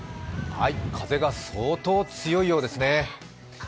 風が相当、強いようですね。